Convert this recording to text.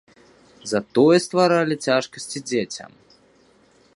Затое стваралі цяжкасці дзецям.